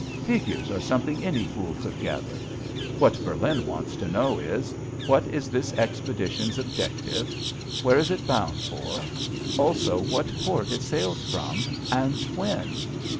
Figures are something any fool could gather. What Berlin wants to know is, what is this expedition's objective, where is it bound for, also what port it sails from, and when?"